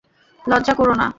লজ্জা কোরো না।